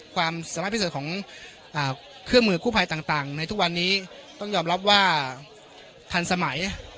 ความสามารถพิเศษของเครื่องมือกู้ภัยต่างในทุกวันนี้ต้องยอมรับว่าทันสมัย